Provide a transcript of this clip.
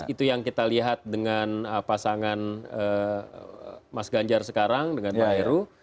itu yang kita lihat dengan pasangan mas ganjar sekarang dengan pak heru